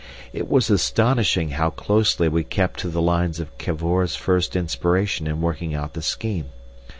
It was astonishing how closely we kept to the lines of Cavor's first inspiration in working out the scheme.